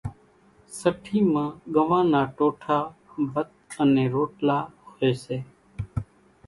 سٺِي مان ڳنوان نا ٽوٺا، ڀت انين روٽلا هوئيَ سي۔